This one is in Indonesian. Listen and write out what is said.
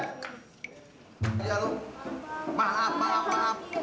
maaf pak maaf pak